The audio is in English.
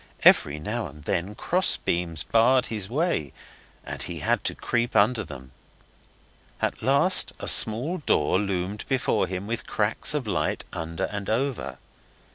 Every now and then cross beams barred his way, and he had to creep under them. At last a small door loomed before him with cracks of light under and over.